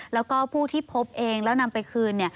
แล้วก็ผู้ที่พบเองแล้วนำไปคืน